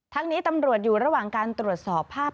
นี้ตำรวจอยู่ระหว่างการตรวจสอบภาพ